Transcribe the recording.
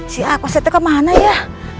si alkasepnya kemana ya